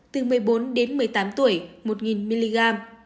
từ một mươi bốn đến một mươi tám tuổi một mg